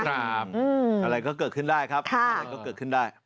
อะไรก็เกิดขึ้นได้ครับอะไรก็เกิดขึ้นได้